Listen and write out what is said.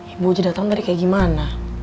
ibu aja dateng tadi kayak gimana